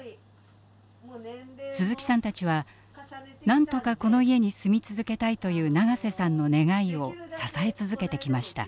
鈴木さんたちは「なんとかこの家に住み続けたい」という長瀬さんの願いを支え続けてきました。